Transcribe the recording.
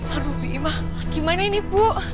aduh bima gimana ini bu